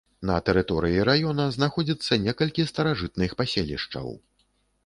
На тэрыторыі раёна знаходзіцца некалькі старажытных паселішчаў.